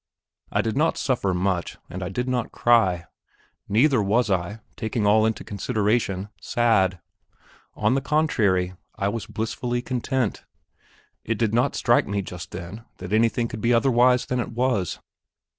I did not suffer much, and I did not cry; neither was I, taking all into consideration, sad. On the contrary, I was blissfully content. It did not strike me just then that anything could be otherwise than it was.